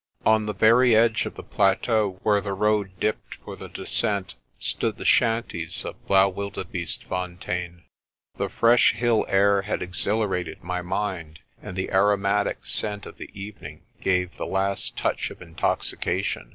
On the very edge of the plateau where the road dipped for the descent stood the shanties of Blaauwilde beestefontein. The fresh hill air had exhilarated my mind, and the aromatic scent of the evening gave the last touch of intoxication.